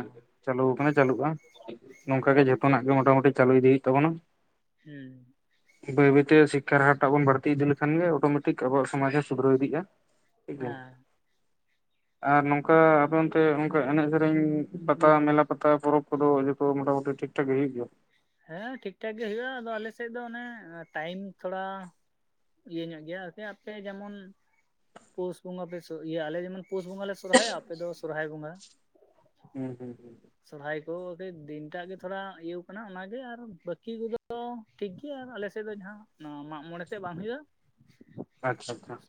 ᱪᱟᱹᱞᱩ ᱟᱠᱟᱱᱟ ᱪᱟᱹᱞᱩᱜᱼᱟ᱾ [inaudible] ᱱᱚᱝᱠᱟ ᱜᱮ ᱡᱷᱚᱛᱚᱱᱟᱜ ᱜᱮ ᱢᱚᱴᱟ ᱢᱩᱴᱤ ᱪᱟᱞᱩ ᱤᱫᱤ ᱦᱩᱭᱩᱜ ᱛᱟᱵᱚᱱᱟ᱾ ᱦᱩᱸ᱾ ᱵᱟᱹᱭ ᱵᱟᱹᱭᱛᱮ ᱥᱤᱠᱠᱷᱟᱨ ᱦᱟᱨᱴᱟᱜ ᱵᱚᱱ ᱵᱟᱹᱲᱛᱤ ᱤᱫᱤ ᱞᱮᱠᱷᱟᱱ ᱜᱮ ᱚᱴᱳᱢᱮᱴᱤᱠ ᱟᱵᱚᱣᱟᱜ ᱥᱚᱢᱟᱡᱽ ᱦᱚᱸ ᱥᱩᱫᱷᱨᱟᱹᱣ ᱤᱫᱤᱜᱼᱟ᱾ ᱴᱷᱤᱠ ᱜᱮᱭᱟ᱾ ᱦᱮᱸ ᱟᱨ ᱱᱚᱝᱠᱟ ᱟᱯᱮ ᱮᱚᱱᱛᱮ ᱚᱝᱠᱟ ᱮᱱᱮᱡ ᱥᱮᱨᱮᱧ ᱯᱟᱛᱟ ᱢᱮᱞᱟ ᱯᱟᱛᱟ ᱯᱚᱨᱚᱵᱽ ᱠᱚᱫᱚ ᱡᱚᱛᱚ ᱢᱚᱴᱟᱢᱩᱴᱤ ᱴᱷᱤᱠᱴᱷᱟᱠ ᱜᱮ ᱦᱩᱭᱩᱜ ᱜᱮᱭᱟ? ᱦᱮᱸ ᱴᱷᱤᱠ ᱴᱷᱟᱠ ᱜᱮ ᱦᱳᱭᱳᱜ-ᱟ ᱟᱫᱚ ᱟᱞᱮᱥᱮᱫ ᱫᱚ ᱚᱱᱮ ᱴᱟᱭᱤᱢ ᱛᱷᱚᱲᱟ ᱤᱭᱟᱹ ᱧᱚᱜ ᱜᱮᱭᱟ ᱥᱮ ᱟᱯᱮ ᱡᱮᱢᱚᱱ ᱯᱩᱥ ᱵᱚᱸᱜᱟ ᱯᱮ ᱤᱭᱟᱹ ᱟᱞᱮ ᱡᱮᱢᱚᱱ ᱯᱩᱥ ᱵᱚᱸᱜᱟ ᱞᱮ ᱥᱚᱨᱚᱦᱟᱭᱟ ᱟᱯᱮ ᱫᱚ ᱥᱚᱨᱦᱟᱭ ᱵᱚᱸᱜᱟ᱾ ᱦᱩᱸ ᱦᱩᱸ ᱦᱩᱸ᱾ ᱥᱚᱨᱦᱟᱭ ᱠᱚ ᱫᱤᱱᱴᱟᱜ ᱜᱮ ᱛᱷᱚᱲᱟ ᱤᱭᱟᱹᱣ ᱠᱟᱱᱟ ᱚᱱᱟ ᱟᱨ ᱵᱟᱹᱠᱤ ᱠᱚᱫᱚ ᱴᱷᱤᱠ ᱜᱮᱭᱟ ᱟᱨ ᱟᱞᱮᱥᱮᱜ ᱫᱚ ᱡᱟᱦᱟᱸ ᱢᱟᱜ ᱢᱚᱬᱮ ᱛᱮᱫ ᱵᱟᱝ ᱦᱩᱭᱩᱜᱼᱟ᱾ [unintelligible] ᱟᱪᱪᱷᱟ ᱟᱪᱪᱷᱟ᱾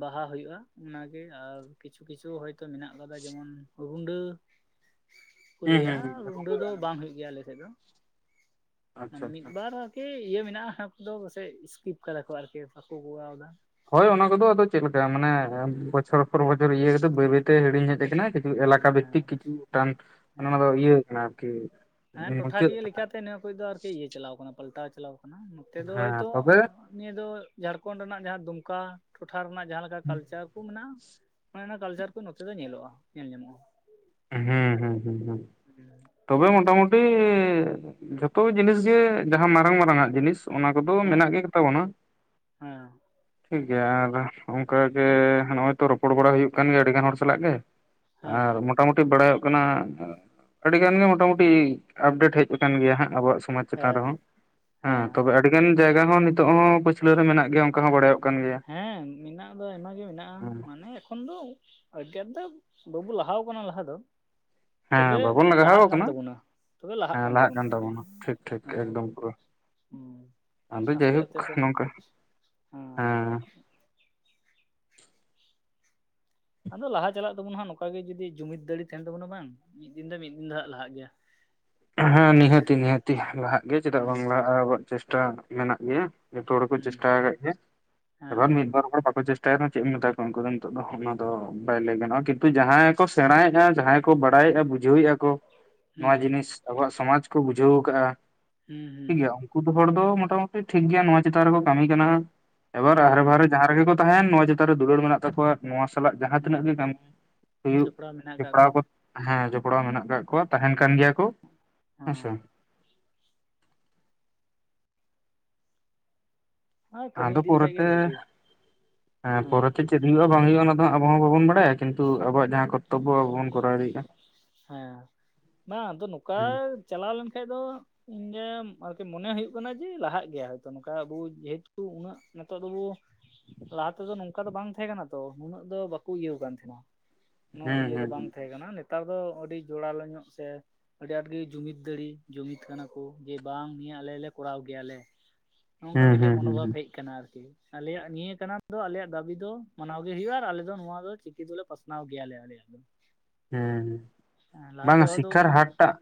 ᱵᱟᱦᱟ ᱦᱳᱭᱳᱜ-ᱟ ᱚᱱᱟᱜᱮ ᱟᱨ ᱠᱤᱪᱷᱩ ᱠᱤᱪᱷᱩ ᱦᱚᱭᱛᱚ ᱢᱮᱱᱟᱜ ᱠᱟᱫᱟ ᱡᱮᱢᱚᱱ ᱨᱩᱸᱰᱟᱹ [unintelligible] ᱠᱚ ᱞᱟᱹᱭᱟ ᱨᱩᱸᱰᱟᱹ ᱫᱚ ᱦᱩᱸ ᱵᱟᱝ ᱦᱩᱭᱩᱜ ᱜᱮᱭᱟ ᱟᱞᱮᱥᱮᱜ ᱫᱚ᱾ ᱟᱪᱪᱷᱟ ᱢᱟᱱᱮ ᱢᱤᱫ ᱟᱪᱪᱷᱟ ᱵᱟᱨ ᱟᱨᱠᱤ ᱤᱭᱟ ᱢᱮᱱᱟᱜᱼᱟ ᱚᱱᱟ ᱠᱚᱫᱚ ᱯᱟᱥᱮᱡ ᱤᱥᱠᱤᱯ ᱠᱟᱫᱟ ᱠᱚ ᱟᱨᱠᱤ ᱵᱟᱠᱚ ᱠᱚᱨᱟᱣᱫᱟ᱾ ᱦᱳᱭ ᱚᱱᱟ ᱠᱚᱫᱚ ᱟᱫᱚ ᱪᱮᱫ ᱞᱮᱠᱟ ᱢᱟᱱᱮ ᱵᱚᱪᱷᱚᱨ ᱯᱚᱨ ᱵᱚᱪᱷᱚᱨ ᱤᱭᱟᱹ ᱠᱟᱛᱮ ᱵᱟᱹᱭ ᱵᱟᱹᱭᱛᱮ ᱦᱤᱲᱤᱧ ᱦᱮᱡ ᱠᱟᱱᱟ᱾ ᱮᱞᱟᱠᱟ ᱦᱮᱸ ᱵᱷᱤᱛᱛᱤᱠ ᱠᱤᱪᱷᱩ ᱚᱱᱟ ᱦᱮᱸ ᱫᱚ ᱤᱭᱟᱹ ᱠᱟᱱᱟ ᱟᱨᱠᱤ ᱢᱩᱪᱟᱹᱫ ᱠᱟᱱᱟ᱾ ᱱᱚᱛᱮ ᱱᱤᱭᱟᱹ ᱟᱨᱠᱤ ᱤᱭᱟᱹ ᱪᱟᱞᱟᱣ ᱟᱠᱟᱱᱟ ᱯᱟᱞᱴᱟᱣ ᱪᱟᱞᱟᱣ ᱟᱠᱟᱱᱟ ᱱᱚᱛᱮ ᱦᱮᱸ ᱫᱚ ᱦᱚᱭᱛᱚ ᱛᱚᱵᱮ ᱱᱤᱭᱟᱹ ᱫᱚ ᱡᱷᱟᱲᱠᱷᱚᱸᱰ ᱨᱮᱱᱟᱜ ᱡᱟᱦᱟᱸ ᱫᱩᱢᱠᱟ ᱴᱚᱴᱷᱟ ᱨᱮᱱᱟᱜ ᱡᱟᱦᱟᱸ ᱞᱮᱠᱟ ᱠᱟᱞᱪᱟᱨ ᱠᱚ ᱢᱮᱱᱟᱜᱼᱟ᱾ ᱚᱱᱮ ᱚᱱᱟ ᱠᱟᱞᱪᱟᱨ ᱠᱚ ᱱᱚᱛᱮ ᱫᱚ ᱧᱮᱞᱚᱜᱼᱟ ᱧᱮᱞ ᱧᱟᱢᱚᱜᱼᱟ᱾ ᱦᱩᱸ ᱦᱩᱸ ᱦᱩᱸ ᱦᱩᱸ ᱦᱮᱸ ᱛᱚᱵᱮ ᱢᱚᱴ ᱢᱩᱩᱴᱤ ᱡᱷᱚᱛᱚ ᱡᱤᱱᱤᱥ ᱜᱮ ᱡᱟᱦᱟᱸ ᱢᱟᱨᱟᱝ ᱢᱟᱨᱟᱝ ᱟᱜ ᱡᱤᱱᱤᱥ ᱚᱱᱟ ᱠᱚᱫᱚ ᱢᱮᱱᱟᱜ ᱜᱮ ᱛᱟᱵᱚᱱᱟ᱾ ᱦᱮᱸ ᱴᱷᱤᱠᱜᱮᱭᱟ ᱟᱨ ᱚᱱᱠᱟ ᱜᱮ ᱱᱚᱜᱚᱭ ᱛᱚ ᱨᱚᱯᱚᱲ ᱵᱟᱲᱟ ᱦᱩᱭᱩᱜ ᱠᱟᱱ ᱜᱮᱭᱟ ᱟᱹᱰᱤ ᱜᱟᱱ ᱦᱚᱲ ᱥᱟᱞᱟᱜ ᱜᱮ ᱦᱮᱸ ᱟᱨᱢᱚᱴ ᱢᱚᱴᱟᱢᱩᱴᱤ ᱵᱟᱲᱟᱭᱚᱜ ᱠᱟᱱᱟ ᱟᱹᱰᱤ ᱜᱟᱱ ᱢᱚᱴᱟᱢᱩᱴᱤ ᱟᱯᱰᱮᱴ ᱦᱮᱡ ᱠᱟᱱᱟ ᱜᱮᱭᱟ ᱦᱟᱸᱜ ᱟᱵᱚᱣᱟᱜ ᱥᱠᱼᱼᱼ ᱥᱚᱢᱟᱡ ᱪᱮᱛᱟᱱ ᱦᱮᱸ ᱨᱮᱦᱚᱸ ᱦᱮᱸ ᱛᱚᱵᱮ ᱟᱹᱰᱤ ᱜᱟᱱ ᱡᱟᱭᱜᱟ ᱦᱚᱸ ᱱᱤᱛᱚᱜ ᱦᱚᱸ ᱯᱟᱹᱪᱷᱞᱟᱹ ᱨᱮ ᱢᱮᱱᱟᱜ ᱜᱮᱭᱟ ᱚᱱᱠᱟ ᱦᱚᱸ ᱵᱟᱲᱟᱭᱚᱜᱼᱼ ᱦᱮᱸ ᱢᱮᱱᱟᱜ ᱫᱚ ᱟᱭᱢᱟ ᱜᱮ ᱢᱮᱱᱟᱜᱼᱟ ᱦᱮᱸ ᱢᱟᱱᱮ ᱮᱠᱷᱚᱱ ᱫᱚᱼᱼ ᱨᱚᱡᱜᱟᱨ ᱫᱚ ᱵᱟᱵᱩ ᱞᱟᱦᱟᱣ ᱟᱠᱟᱱᱟ ᱞᱟᱦᱟ ᱫᱚ ᱦᱮᱸ ᱛᱚᱵᱮ ᱵᱟᱵᱚᱱ ᱞᱟᱦᱟᱣ ᱞᱟᱦᱟᱜ ᱠᱟᱱ ᱟᱠᱟᱱᱟ ᱛᱟᱵᱚᱱᱟ᱾ ᱛᱚᱵᱮ ᱞᱟᱦᱟᱜ ᱦᱮᱸ ᱠᱟᱱ ᱛᱟᱵᱳᱱᱟ ᱟᱨᱠᱤ ᱛᱟᱵᱚᱱᱟ ᱴᱷᱤᱠ ᱴᱷᱤᱠ ᱦᱮᱸᱼᱼ ᱮᱠᱫᱚᱢ ᱯᱩᱨᱟᱹ ᱦᱮᱸ ᱟᱫᱚ ᱟᱥᱛᱮ ᱡᱟᱭᱦᱳᱠ ᱟᱥᱛᱮ ᱛᱮ ᱦᱚᱸᱼᱼ ᱟᱸ ᱟᱫᱚ ᱞᱟᱦᱟ ᱪᱟᱞᱟᱜ ᱛᱟᱵᱚ ᱱᱟ ᱦᱟᱸᱜ ᱱᱚᱝᱠᱟ ᱜᱮ ᱡᱩᱫᱤ ᱡᱩᱢᱤᱫ ᱫᱟᱲᱮ ᱛᱟᱦᱮᱱ ᱛᱟᱵᱚᱱᱟ ᱵᱟᱝ ᱢᱤᱫ ᱫᱤᱱ ᱫᱚ ᱢᱤᱫ ᱫᱤᱱ ᱫᱚ ᱦᱟᱸᱜ ᱞᱟᱦᱟᱜ ᱜᱮᱭᱟᱼᱼ ᱦᱮᱸ ᱱᱤᱦᱟᱹᱛᱤ ᱱᱤᱦᱟᱹᱛᱤ ᱞᱟᱦᱟᱜ ᱜᱮ ᱪᱮᱫᱟᱜ ᱦᱩᱸ ᱵᱟᱝ ᱞᱟᱦᱟᱜ-ᱟ ᱟᱵᱚᱣᱟᱜ ᱪᱮᱥᱴᱟ ᱢᱮᱱᱟᱜ ᱜᱮᱭᱟ᱾ ᱡᱷᱚᱛᱚ ᱦᱚᱲ ᱠᱚ ᱦᱩᱸ ᱪᱮᱥᱴᱟ‌ ᱠᱟᱜ ᱜᱮᱭᱟ ᱦᱮᱸ ᱟᱫᱟᱱ ᱢᱤᱫ ᱵᱟᱨ ᱦᱚᱲ ᱵᱚ ᱠᱚ ᱪᱮᱥᱼᱼᱼ ᱪᱮᱜ ᱢᱮᱛᱟ ᱠᱚᱣᱟ ᱩᱱᱠᱩ ᱫᱚ ᱱᱤᱛᱚᱜ ᱫᱚ ᱚᱱᱟ ᱫᱚ ᱵᱟᱭ ᱞᱟᱹᱭ ᱜᱟᱱᱚᱜᱼᱟ ᱠᱤᱱᱛᱩ ᱡᱟᱦᱟᱸᱭ ᱠᱚ ᱥᱮᱬᱟᱭᱮᱫᱼᱟ ᱡᱟᱦᱟᱸᱭᱼᱼᱼ ᱠᱚ ᱵᱟᱲᱟᱭᱮᱜ-ᱟ ᱵᱩᱡᱷᱟᱹᱣᱮᱜᱼᱟ ᱠᱚ ᱱᱚᱣᱟ ᱦᱩᱸ ᱡᱤᱱᱤᱥ ᱟᱵᱚᱣᱟᱜ ᱥᱚᱢᱟᱡ ᱠᱚ ᱵᱩᱡᱷᱟᱹᱣ ᱠᱟᱜ-ᱟ᱾ ᱦᱩᱸ ᱦᱩᱸ ᱴᱷᱤᱠᱜᱮᱭᱟ ᱩᱱᱠᱩ ᱫᱚ ᱦᱚᱲ ᱫᱚ ᱢᱟᱴᱟᱢᱩᱴᱤ ᱴᱷᱤᱠᱜᱮᱭᱟ ᱱᱚᱣᱟ ᱪᱮᱛᱟᱱ ᱨᱮᱠᱚ ᱠᱟᱹᱢᱤ ᱠᱟᱱᱟ᱾ ᱮᱵᱟᱨ ᱟᱦᱮ ᱦᱩᱸ ᱵᱟᱦᱨᱮ ᱡᱟᱦᱟᱸ ᱨᱮᱜᱮ ᱠᱚ ᱛᱟᱦᱮᱱ ᱱᱚᱣᱟ ᱪᱮᱛᱟᱱ ᱨᱮ ᱫᱩᱞᱟᱹᱲ ᱢᱮᱱᱟᱜ ᱛᱟᱠᱚᱣᱟ᱾ ᱱᱚᱣᱟ ᱥᱟᱞᱟᱜ ᱡᱟᱦᱟᱸ ᱛᱤᱱᱟᱹᱜ ᱜᱮ ᱦᱩᱸ ᱠᱟᱹᱢᱤ ᱦᱩᱭᱩᱜ ᱡᱚᱯᱲᱟᱣ ᱢᱮᱱᱟᱜ ᱠᱟᱜ ᱡᱛᱯᱲᱟᱶ ᱠᱚ ᱠᱚᱼᱼ ᱦᱮᱸ ᱡᱚᱯᱲᱟᱣ ᱢᱮᱱᱟᱜ ᱠᱟᱜ ᱠᱚᱣᱟ ᱛᱟᱦᱮᱱ ᱠᱟᱱ ᱜᱮᱭᱟ ᱠᱚ᱾ ᱦᱮ ᱥᱮ ᱦᱮᱸ ᱟᱨ ᱠᱟᱹᱢᱤ ᱟᱫᱚ ᱤᱫᱤ ᱞᱮᱠᱷᱟᱡ ᱜᱮ ᱯᱚᱨᱛᱮ ᱵᱷᱟᱜᱤ ᱦᱮ ᱦᱮᱸ ᱯᱚᱨᱛᱮᱼᱼᱼ ᱪᱮᱫ ᱦᱩᱭᱩᱜᱼᱟ ᱵᱟᱝ ᱦᱩᱭᱩᱜᱼᱟ ᱚᱱᱟᱫᱚ ᱟᱵᱚ ᱦᱚᱸ ᱵᱟᱵᱚᱱ ᱵᱟᱲᱟᱭᱟ ᱠᱤᱱᱛᱩ ᱟᱵᱚᱣᱟᱜ ᱡᱟᱦᱟᱸ ᱠᱚ᱾ ᱦᱮᱸ ᱵᱟᱝ ᱟᱫᱚ ᱱᱚᱠᱟ᱾ ᱦᱩᱸ ᱪᱟᱞᱟᱣ ᱞᱮᱱ ᱠᱷᱟᱡ ᱫᱚ ᱤᱧᱟᱜ ᱟᱨᱠᱤ ᱢᱚᱱᱮ ᱦᱩᱭᱩᱜ ᱠᱟᱱᱟ ᱡᱮ ᱞᱟᱦᱟᱜ ᱜᱮᱭᱟ ᱦᱚᱭ ᱛᱚ ᱱᱚᱠᱟ ᱟᱵᱚ ᱡᱮᱦᱮᱛᱩ ᱩᱱᱟᱹᱜ ᱱᱮᱛᱟ ᱫᱚᱵᱚᱼᱼᱼ ᱞᱟᱦᱟ ᱛᱮᱫᱚ ᱱᱚᱝᱠᱟ ᱫᱚ ᱵᱟᱝ ᱛᱟᱦᱮᱸ ᱠᱟᱱᱟ ᱛᱚ ᱱᱩᱱᱟᱹᱜ ᱫᱚ ᱵᱟᱠᱚ ᱤᱭᱟᱹᱣ ᱟᱠᱟᱱ ᱛᱟᱦᱮᱸ ᱱᱟᱼᱼᱼ ᱱᱳ ᱦᱩᱸ ᱤᱭᱟᱹ ᱫᱚ ᱦᱩᱸ ᱵᱟᱝ ᱛᱟᱦᱮᱸ ᱠᱟᱱᱟ ᱱᱮᱛᱟᱨ ᱫᱚ ᱟᱹᱰᱤ ᱡᱚᱲᱟᱞᱳ ᱧᱚᱜ ᱥᱮ ᱟᱹᱰᱤ ᱟᱸᱴ ᱜᱮ ᱡᱩᱢᱤᱫ ᱫᱟᱲᱮ ᱡᱩᱢᱤᱫ ᱠᱟᱱᱟ ᱠᱚ ᱡᱮ ᱵᱟᱝ ᱱᱤᱭᱟᱹ ᱟᱞᱮ ᱞᱮ ᱠᱚᱨᱟᱣ ᱜᱮᱭᱟᱞᱮ᱾ ᱱᱚᱜᱠᱟ ᱦᱩᱸ ᱢᱤᱴᱮ ᱦᱩᱸ ᱦᱩᱸ ᱦᱩᱸ ᱢᱚᱱᱳᱚᱵᱷᱟᱵ ᱦᱩᱸ ᱦᱮᱡ ᱟᱠᱟᱱᱟ ᱟᱨᱠᱤ᱾ ᱟᱞᱮᱭᱟᱜ ᱱᱤᱭᱟᱹ ᱠᱟᱱᱟ ᱫᱚ ᱟᱞᱮᱭᱟᱜ ᱫᱟᱹᱵᱤ ᱫᱚ ᱢᱟᱱᱟᱣ ᱜᱮ ᱦᱩᱭᱩᱜ-ᱟ ᱟᱨ ᱟᱞᱮᱫᱚ ᱱᱚᱶᱟ ᱫᱚ ᱪᱤᱠᱤ ᱫᱚᱞᱮ ᱯᱟᱥᱱᱟᱣ ᱜᱮᱭᱟᱞᱮ᱾ ᱟᱞᱮᱭᱟᱜ ᱫᱚ᱾ ᱦᱚᱸ ᱦᱮᱸ ᱞᱟᱦᱟᱛᱮ ᱵᱟᱝᱻᱟ ᱦᱚᱭᱛᱚ ᱥᱤᱠᱠᱷᱟᱨ ᱩᱱᱟᱹᱜ ᱦᱟᱴᱴᱟᱜ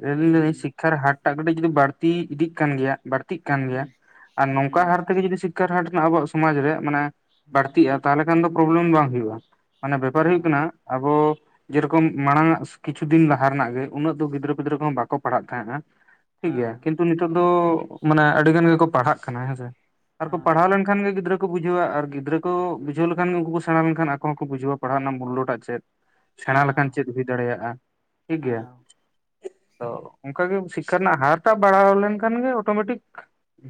ᱞᱟ [inaudible] ᱟᱹᱞᱤᱧ ᱦᱩᱸ ᱥᱤᱠᱠᱷᱟᱨ ᱦᱟᱴᱼᱼᱼ ᱮᱴᱟᱜ ᱠᱟᱹᱴᱤᱡ ᱡᱩᱫᱤ ᱵᱟᱹᱲᱛᱤ ᱤᱫᱤᱜ ᱠᱟᱱ ᱜᱮᱭᱟ ᱵᱟᱹᱲᱛᱤᱜ ᱠᱟᱱ ᱜᱮᱭᱟ ᱦᱩᱸ ᱟᱨ ᱦᱩᱸ ᱱᱚᱝᱠᱟ ᱦᱟᱨ ᱛᱮᱜᱮ ᱡᱩᱫᱤ ᱥᱤᱠᱼᱼᱼ ᱠᱟᱨ ᱦᱟᱴ ᱨᱮᱱᱟᱜ ᱟᱵᱚᱣᱟᱜ ᱥᱚᱢᱟᱡ ᱨᱮ ᱢᱟᱱᱮ ᱦᱮᱸ ᱵᱟᱹᱲᱛᱤᱜᱼᱟ ᱛᱟᱦᱚᱞᱮ ᱠᱷᱟᱱ ᱫᱚ ᱯᱨᱚᱵᱞᱮᱢ ᱵᱟᱝ ᱦᱩᱭᱩᱜᱼᱟ᱾ ᱢᱟᱱᱮ ᱵᱮᱯᱟᱨ ᱦᱮᱸ ᱦᱳᱭᱳᱜ ᱠᱟᱱᱟ ᱟᱵᱚ ᱡᱮᱨᱚᱠᱚᱢ ᱢᱟᱲᱟᱝ ᱟᱜ ᱠᱤᱪᱷᱩ ᱫᱤᱱ ᱞᱟᱦᱟ ᱨᱮᱱᱟᱜ ᱜᱮ? ᱩᱱᱟᱹᱜ ᱫᱚ ᱜᱤᱫᱽᱨᱟᱹ ᱯᱤᱫᱽᱨᱟᱹ ᱠᱚᱦᱟ ᱵᱟᱠᱚ ᱯᱟᱲᱦᱟᱜ ᱛᱟᱦᱮᱸᱫ ᱴᱷᱤᱠ ᱜᱮᱭᱟᱤᱱᱛᱩ ᱦᱮᱸ ᱱᱤᱛᱚᱜ ᱱᱤᱛᱚᱜ ᱫᱚ ᱢᱟᱱᱮ ᱟᱹᱰᱤ ᱜᱟᱱ ᱜᱮᱠᱚ ᱯᱟᱲᱦᱟᱜ ᱠᱟᱱᱟ ᱦᱮᱸᱥᱮ ᱟᱨᱠᱚ ᱯᱟᱲᱦᱟᱣ ᱞᱮᱱ? ᱠᱷᱟᱱ ᱜᱮ ᱜᱤᱫᱽᱨᱟᱹ ᱠᱚ ᱵᱩᱡᱷᱟᱹᱣᱟ ᱟᱨ ᱜᱤᱫᱽᱨᱟᱹ ᱠᱚ ᱵᱩᱡᱷᱟᱹᱣ ᱞᱮᱠᱷᱟᱱ ᱜᱮ ᱩᱱᱠᱩ ᱥᱮᱬᱟ ᱞᱮᱠᱷᱟᱱ ᱟᱠᱚ ᱦᱚᱸᱠᱚ ᱵᱩᱡᱷᱟᱹᱣᱟ ᱯᱟᱲᱦᱟᱜ ᱨᱮᱱᱟᱜ ᱢᱩᱞᱚᱴᱟᱜ ᱪᱮᱫ᱾ ᱦᱮᱸ ᱥᱮᱸᱬᱟ ᱞᱮᱠᱷᱟᱱ ᱦᱮᱸ ᱪᱮᱫ ᱦᱩᱭ ᱫᱟᱲᱮᱭᱟᱜᱼᱟ ᱴᱷᱤᱠ ᱜᱮᱭᱟ᱾ ᱦᱮᱸ ᱛᱚ ᱚᱱᱠᱟᱜᱮ ᱥᱤᱠᱠᱷᱟ ᱨᱮᱱᱟᱜ ᱦᱟᱨ ᱴᱟᱜ ᱵᱟᱲᱦᱟᱣ ᱞᱮᱱᱠᱷᱟᱱ ᱜᱮ ᱚᱴᱳᱢᱮᱴᱤᱠᱼᱼ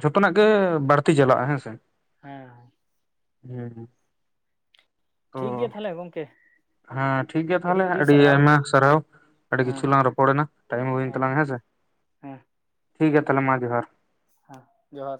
ᱡᱷᱚᱛᱚᱱᱟᱜ ᱜᱮ ᱵᱟᱹᱲᱛᱤ ᱪᱟᱞᱟᱜᱼᱟ ᱦᱮᱸᱥᱮ᱾ ᱦᱮᱸᱦᱮᱸ ᱦᱩᱸ ᱦᱩᱸ ᱴᱷᱤᱠ ᱜᱮᱭᱟ ᱛᱟᱦᱚᱞᱮ ᱜᱚᱝᱠᱮ᱾ ᱴᱷᱤᱠ ᱜᱮᱭᱟ ᱛᱟᱦᱚᱞᱮ ᱟᱹᱰᱤ ᱟᱭᱢᱟ ᱥᱟᱨᱦᱟᱣ᱾ ᱟᱹᱰᱤ ᱦᱮᱸ ᱠᱤᱪᱷᱩ ᱦᱮᱸ ᱞᱟᱝ ᱨᱚᱯᱚᱲᱮᱱᱟ ᱴᱟᱭᱤᱢ ᱦᱚᱸ ᱦᱩᱭᱮᱱ ᱦᱮᱸ ᱛᱟᱞᱟᱝ ᱦᱮᱸᱥᱮ ᱦᱮᱸ ᱴᱷᱤᱠ ᱜᱮᱭᱟ ᱛᱟᱦᱚᱞᱮ ᱢᱟ ᱡᱚᱦᱟᱨ᱾ ᱦᱟᱸ ᱡᱚᱦᱟᱨ